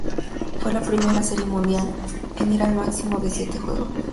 Fue la primera Serie Mundial en ir al máximo de siete juegos.